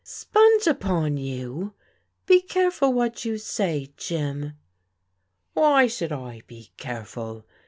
" Sponge upon you ! Be careful what you say, Jim." " Why should I be careful